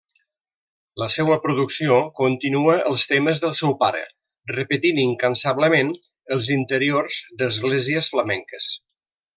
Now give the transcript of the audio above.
La seua producció continua els temes del seu pare repetint incansablement els interiors d'esglésies flamenques.